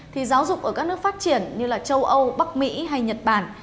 thì giáo dục ở các nước phát triển như là châu âu bắc mỹ hay nhật bản